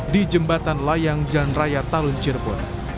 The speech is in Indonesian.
di jembatan layang janraya talun cirebon